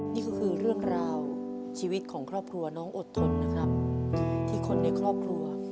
นี่ก็คือเรื่องราวชีวิตของครอบครัวน้องอดทนนะครับที่คนในครอบครัว